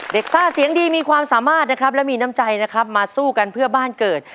ซ่าเสียงดีมีความสามารถนะครับและมีน้ำใจนะครับมาสู้กันเพื่อบ้านเกิด